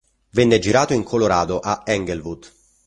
Venne girato in Colorado, a Englewood.